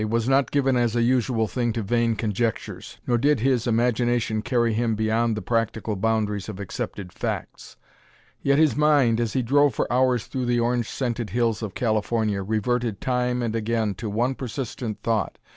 was not given as a usual thing to vain conjectures, nor did his imagination carry him beyond the practical boundaries of accepted facts. Yet his mind, as he drove for hours through the orange scented hills of California, reverted time and again to one persistent thought.